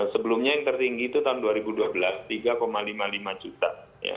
sebelumnya yang tertinggi itu tahun dua ribu dua belas tiga lima puluh lima juta